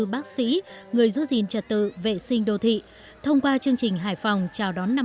bác sĩ người giữ gìn trật tự vệ sinh đô thị thông qua chương trình hải phòng chào đón năm